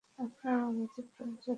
আপনার অনুমতির প্রয়োজন।